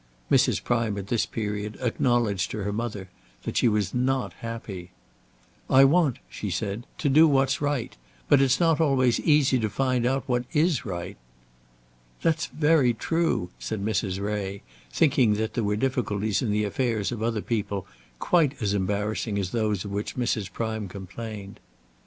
Mrs. Prime at this period acknowledged to her mother that she was not happy. "I want," said she, "to do what's right. But it's not always easy to find out what is right." "That's very true," said Mrs. Ray, thinking that there were difficulties in the affairs of other people quite as embarrassing as those of which Mrs. Prime complained.